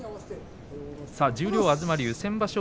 十両の東龍先場所